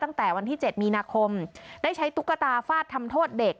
ตั้งแต่วันที่๗มีนาคมได้ใช้ตุ๊กตาฟาดทำโทษเด็ก